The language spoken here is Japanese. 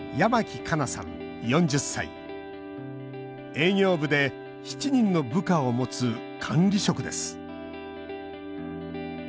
営業部で７人の部下を持つ管理職です